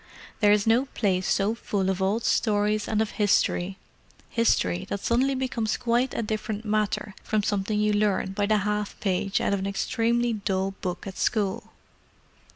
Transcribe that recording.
There is no place so full of old stories and of history—history that suddenly becomes quite a different matter from something you learn by the half page out of an extremely dull book at school.